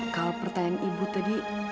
kalau pertanyaan ibu tadi